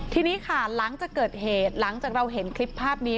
ทีนี้ค่ะหลังจากเกิดเหตุหลังจากเราเห็นคลิปภาพนี้